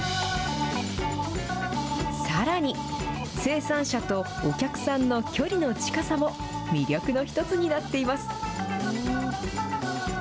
さらに、生産者とお客さんの距離の近さも魅力の一つになっています。